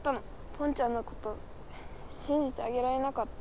ポンちゃんのことしんじてあげられなかった。